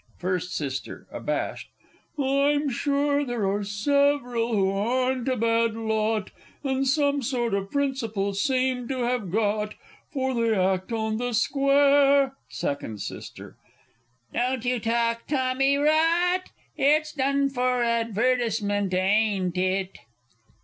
First S. (abashed). I'm sure there are sev'ral who aren't a bad lot, And some sort of principle seem to have got, For they act on the square Second S. Don't you talk tommy rot! It's done for advertisement, ain't it?